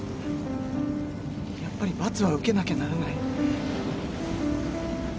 やっぱり罰は受けなきゃならない